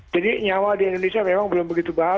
jadi nyawa di indonesia memang belum begitu banyak